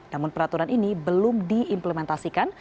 namun peraturan ini belum diimplementasikan